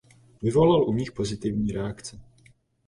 Vyvolal u nich pozitivní reakce.